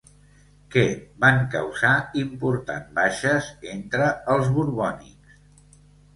Què van causar important baixes entre els borbònics?